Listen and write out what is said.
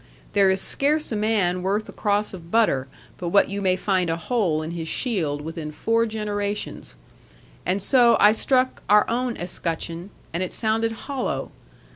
There is scarce a man worth a cross of butter, but what you may find a hole in his shield within four generations. And so I struck our own escutcheon, and it sounded hollow.